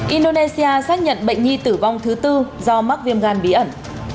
indonesia xác nhận bệnh nhi tử vong thứ tư do mắc viêm gan bí ẩn